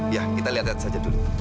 ya kita lihat lihat saja dulu